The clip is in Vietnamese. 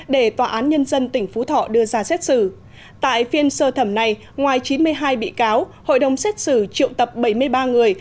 để tòa án nhân dân tỉnh phú thọ đưa ra xét xử tại phiên sơ thẩm này ngoài chín mươi hai bị cáo hội đồng xét xử triệu tập bảy mươi ba người